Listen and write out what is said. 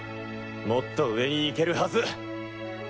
もっと上に行けるはず！